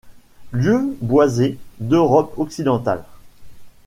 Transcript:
Lieux boisés d'Europe occidentale.